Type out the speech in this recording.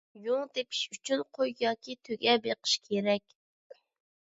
يۇڭ تېپىش ئۈچۈن قوي ياكى تۆگە بېقىش كېرەك.